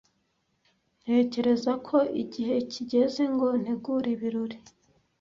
Ntekereza ko igihe kigeze ngo ntegure ibirori.